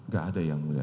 gak ada yang mulia